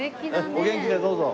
お元気でどうぞ。